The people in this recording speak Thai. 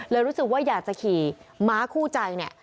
รู้สึกว่าอยากจะขี่ม้าคู่ใจเนี่ย